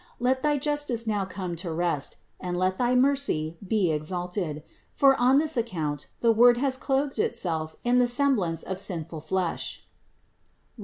Let thy justice now come to rest, and let thy mercy be ex alted ; for on this account the Word has clothed itself in the semblance of sinful flesh (Rom.